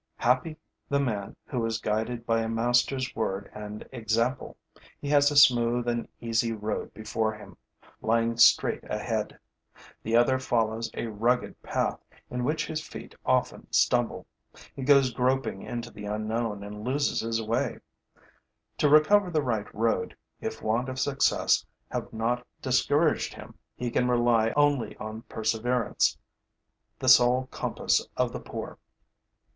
Happy the man who is guided by a master's word and example! He has a smooth and easy road before him, lying straight ahead. The other follows a rugged path, in which his feet often stumble; he goes groping into the unknown and loses his way. To recover the right road, if want of success have not discouraged him, he can rely only on perseverance, the sole compass of the poor.